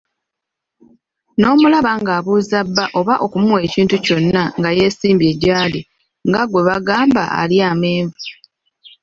N'omulaba ng'abuuza bba oba okumuwa ekintu kyonna nga yeesimbye jjaali nga gwe bagamba alya amenvu.